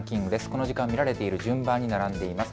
この時間、見られている順番に並んでいます。